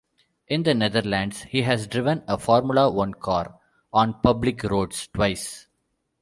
In the Netherlands, he has driven a Formula One car on public roads twice.